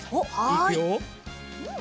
いくよ。